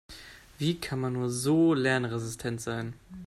Wie kann man nur so lernresistent sein?